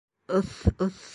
— Ыҫ-ыҫ!